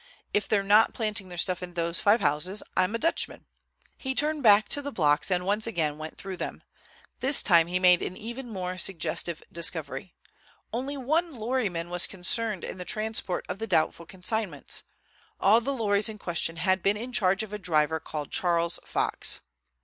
"If they're not planting their stuff in those five houses, I'm a Dutchman!" He turned back to the blocks and once again went through them. This time he made an even more suggestive discovery. Only one lorry man was concerned in the transport of the doubtful consignments. All the lorries in question had been in charge of a driver called Charles Fox.